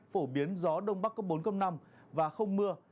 phổ biến gió đông bắc cấp bốn năm và không mưa